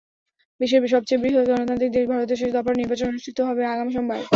বিশ্বের সবচেয়ে বৃহত্ গণতান্ত্রিক দেশ ভারতে শেষ দফার নির্বাচন অনুষ্ঠিত হবে আগামী সোমবার।